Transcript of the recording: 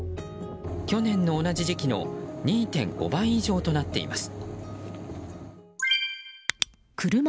去年の同じ時期の２．５倍以上となっています。